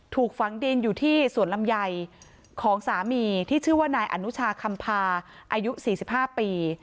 ถูกฝังดินอยู่ที่สวนลำไยของสามีที่ชื่อว่านายอนุชาคำพาอายุ๔๕ปี